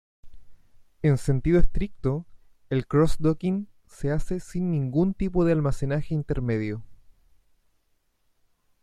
En sentido estricto el cross-docking se hace sin ningún tipo de almacenaje intermedio.